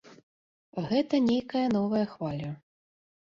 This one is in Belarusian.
Гэта нейкая новая хваля.